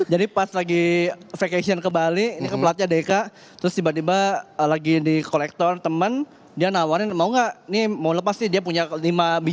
jadi pas lagi vacation ke bali ini ke pelatnya deka terus tiba tiba lagi di kolektor temen dia nawarin mau gak ini mau lepas sih dia punya lima biji